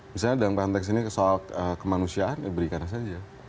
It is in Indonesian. misalnya dalam konteks ini soal kemanusiaan ya berikan saja